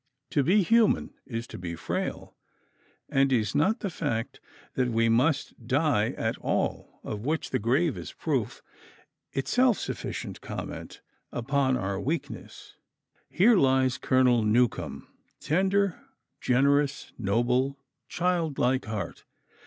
To be human is to be frail; and is not the fact that we must die at all, of which the grave is proof, itself sufficient comment upon our weakness? Here lies Colonel Newcome tender, generous, noble, child like heart!